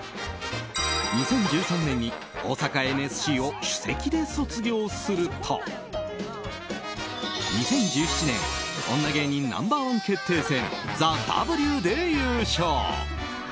２０１３年に大阪ＮＳＣを首席で卒業すると、２０１７年「女芸人Ｎｏ．１決定戦ＴＨＥＷ」で優勝。